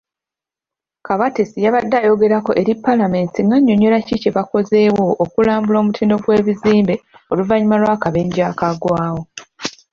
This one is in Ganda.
Kabatsi yabadde ayogerako eri Paalamenti ng'annyonnyola kiki kye bakozeewo okulambula omutindo gw'ebizimbe oluvannyuma lw'akabenje akaagwawo.